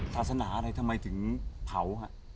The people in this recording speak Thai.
ศาสนาอะไรทำไมถึงเผา